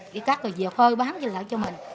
đi cắt rồi về khơi bán lại cho mình